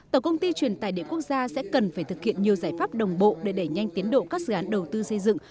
tổng công ty truyền tài điện quốc gia sẽ cần phải thực hiện nhiều giải pháp đồng bộ để đẩy nhanh tiến độ các dự án đầu tư xây dựng